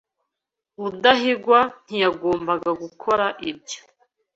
Rudahigwa ntiyagombaga gukora ibyo.